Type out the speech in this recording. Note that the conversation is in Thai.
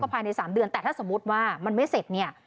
ภายใน๓เดือนแต่ถ้าสมมุติว่ามันไม่เสร็จเนี่ย